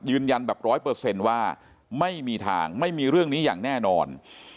ยืนยันแบบร้อยเปอร์เซ็นต์ว่าไม่มีทางไม่มีเรื่องนี้อย่างแน่นอน